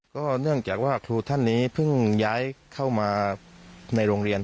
ก็เนื่องจากว่าครูท่านนี้เพิ่งย้ายเข้ามาในโรงเรียน